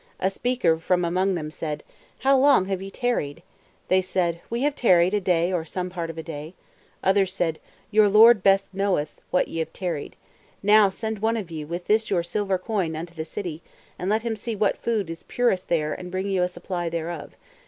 A speaker from among them said: How long have ye tarried? They said: We have tarried a day or some part of a day, (Others) said: Your Lord best knoweth what ye have tarried. Now send one of you with this your silver coin unto the city, and let him see what food is purest there and bring you a supply thereof.